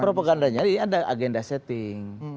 propagandanya ada agenda setting